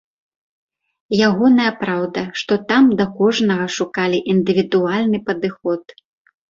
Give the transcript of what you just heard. Ягоная праўда, што там да кожнага шукалі індывідуальны падыход.